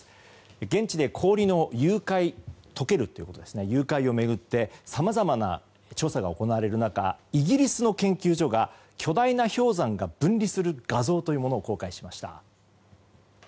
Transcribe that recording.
現地で氷の融解を巡ってさまざまな調査が行われる中イギリスの研究所が巨大な氷山が分離する画像というものを公開しました。